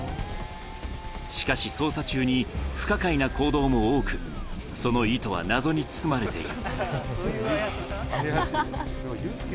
しかし捜査中に不可解な行動も多く、その意図は謎に包まれている。